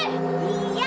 いや！